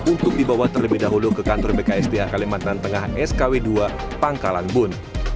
untuk dibawa terlebih dahulu ke kantor bksda kalimantan tengah skw dua pangkalan bun